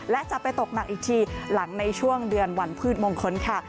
และจะไปตกหนักอีกทีหลังในช่วงเดือนวันพืชมงคลค่ะ